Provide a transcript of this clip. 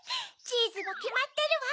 チーズもきまってるわ。